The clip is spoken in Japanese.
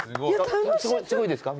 すごいですか？